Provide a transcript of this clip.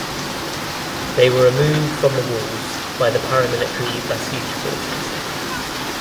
They were removed from the walls by the paramilitary Basij forces.